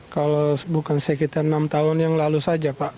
kalau bukan sekitar enam tahun yang lalu saja pak